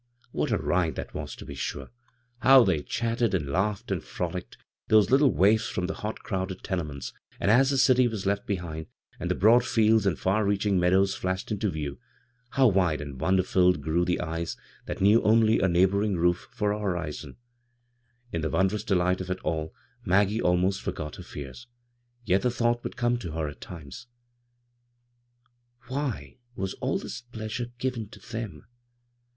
What a ride that was, to be sure I How they chatted and laughed and froUcked— those Utde waifs from the hot crowded tene ments ; and aa the dty was left behind, and the broad fidds and far reacfiing meadows flashed into view, how wide and wonder filled grew the eyes that knew only a nagh boring roof for a horizon I In the wondrous delight of it all Maggie almost forgot her fears; yet the thought would come to her at times :" IVky was all this pleasure given to them?